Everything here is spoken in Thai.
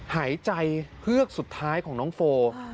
หายใจเฮือกสุดท้ายของน้องโฟ